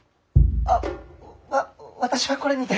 あっわ私はこれにて。